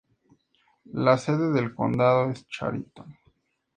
La sede del condado es Chariton.